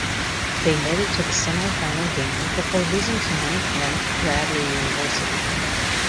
They made it to the semifinal game before losing to ninth ranked Bradley University.